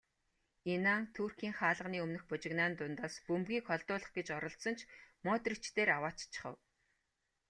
Инан Туркийн хаалганы өмнөх бужигнаан дундаас бөмбөгийг холдуулах гэж оролдсон ч Модрич дээр авааччихав.